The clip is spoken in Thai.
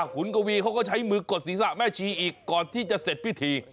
คุณกวีเขาก็ใช้มือกดศีรษะแม่ชีอีกก่อนที่จะเสร็จพิธี